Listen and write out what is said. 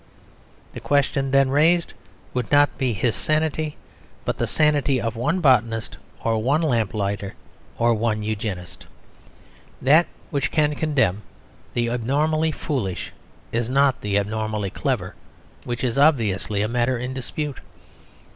The question then raised would not be his sanity, but the sanity of one botanist or one lamplighter or one Eugenist. That which can condemn the abnormally foolish is not the abnormally clever, which is obviously a matter in dispute.